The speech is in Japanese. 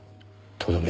とどめ